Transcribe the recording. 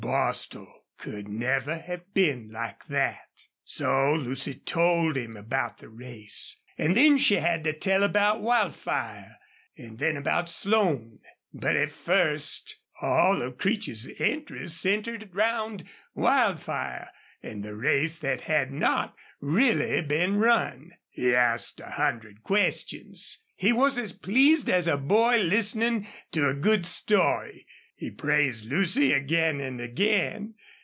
Bostil could never have been like that. So Lucy told him about the race and then she had to tell about Wildfire, and then about Slone. But at first all of Creech's interest centered round Wildfire and the race that had not really been run. He asked a hundred questions. He was as pleased as a boy listening to a good story. He praised Lucy again and again.